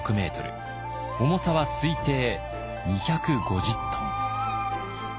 重さは推定２５０ｔ。